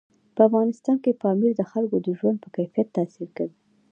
په افغانستان کې پامیر د خلکو د ژوند په کیفیت تاثیر کوي.